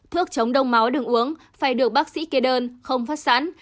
thuốc chống đông máu đường uống phải được bác sĩ kê đơn không phát sẵn